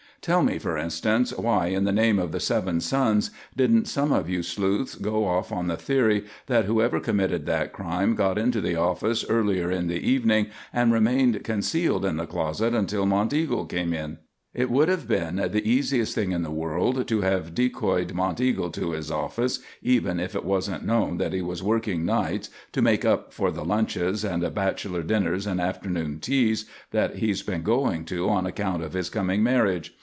"Tell me, for instance, why in the name of the Seven Suns, didn't some of you sleuths go off on the theory that whoever committed that crime got into the office earlier in the evening and remained concealed in the closet until Monteagle came in? It would have been the easiest thing in the world to have decoyed Monteagle to his office even if it wasn't known that he was working nights to make up for the lunches and bachelor dinners and afternoon teas that he's been going to on account of his coming marriage.